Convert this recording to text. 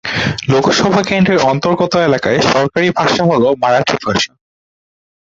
লোকসভা কেন্দ্রের অন্তর্গত এলাকার সরকারি ভাষা হল মারাঠি ভাষা।